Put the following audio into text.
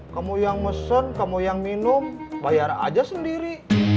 kamu yang mesen kamu yang minum bayar aja sendiri